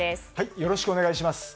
よろしくお願いします。